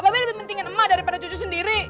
lebih pentingin emak daripada cucu sendiri